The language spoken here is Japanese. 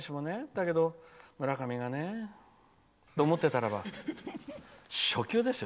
だけど、村上がねと思ってたらば初球ですよ。